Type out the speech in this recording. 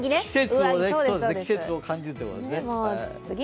季節を感じるということですね。